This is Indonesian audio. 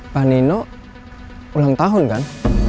mbak nino ulang tahun kan